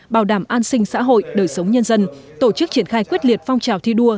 bảo đảm an sinh xã hội đời sống nhân dân tổ chức triển khai quyết liệt phong trào thi đua